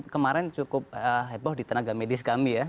kemarin cukup heboh di tenaga medis kami ya